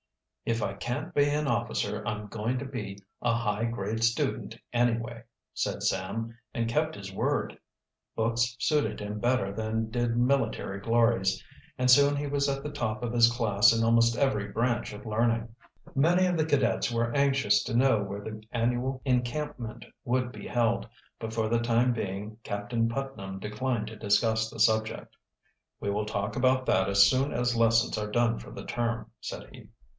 "If I can't be an officer I'm going to be a high grade student anyway," said Sam, and kept his word. Books suited him better than did military glories, and soon he was at the top of his class in almost every branch of learning. Many of the cadets were anxious to know where the annual encampment would be held, but for the time being Captain Putnam declined to discuss the subject. "We will talk about that as soon as lessons are done for the term," said he.